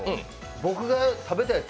僕が食べたやつ